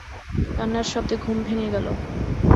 কান্নার শব্দে ঘুম ভেঙে গেল।